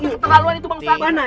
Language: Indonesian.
ini keterlaluan itu bang ustadz